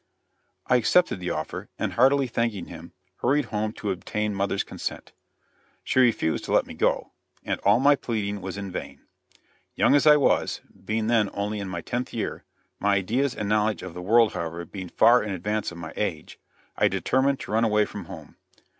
I accepted the offer, and heartily thanking him, hurried home to obtain mother's consent. She refused to let me go, and all my pleading was in vain. Young as I was being then only in my tenth year, my ideas and knowledge of the world, however, being far in advance of my age I determined to run away from home.